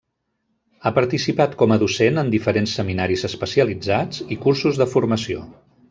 Ha participat com a docent en diferents seminaris especialitzats i cursos de formació.